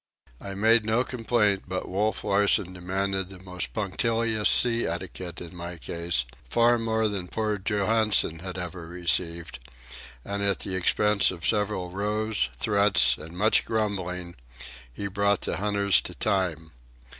I made no complaint, but Wolf Larsen demanded the most punctilious sea etiquette in my case,—far more than poor Johansen had ever received; and at the expense of several rows, threats, and much grumbling, he brought the hunters to time.